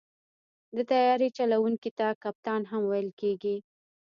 د طیارې چلوونکي ته کپتان هم ویل کېږي.